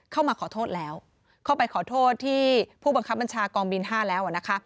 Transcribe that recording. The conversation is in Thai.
เข้ามาขอโทษแล้วเข้าไปขอโทษที่ผู้บังคับบัญชากองบิน๕แล้วนะคะ